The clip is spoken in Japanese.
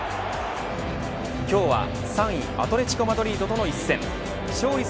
今日は３位アトレティコ・マドリードとの一戦。